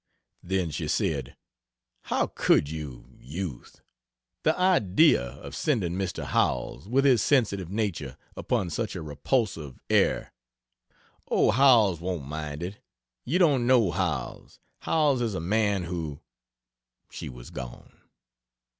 Then she said: "How could you, Youth! The idea of sending Mr. Howells, with his sensitive nature, upon such a repulsive er " "Oh, Howells won't mind it! You don't know Howells. Howells is a man who " She was gone.